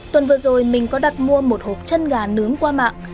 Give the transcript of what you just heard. tuần vừa rồi mình có đặt mua một hộp chân gà nướng qua mạng